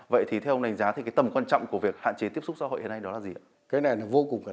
vậy thì theo ông đánh giá thì cái tầm quan trọng của việc hạn chế tiếp xúc xã hội hiện nay đó là gì ạ